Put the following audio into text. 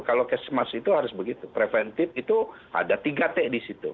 kalau kesmas itu harus begitu preventif itu ada tiga t di situ